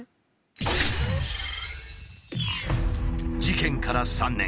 事件から３年。